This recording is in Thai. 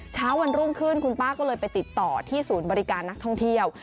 เช้าวันรุ่งขึ้นคุณป้าก็เลยไปติดต่อที่ศูนย์บริการนักท่องเที่ยว